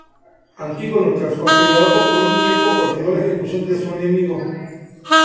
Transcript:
Antígono, tras considerarlo por un tiempo, ordenó la ejecución de su enemigo.